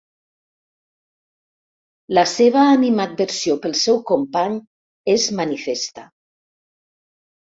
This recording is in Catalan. La seva animadversió pel seu company és manifesta.